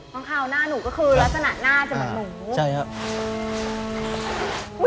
ข้างคาวหน้าหนูก็คือลักษณะหน้าจะเหมือนหนูใช่ครับ